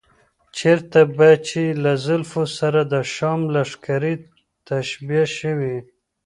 چېرته به چې له زلفو سره د شام لښکرې تشبیه شوې.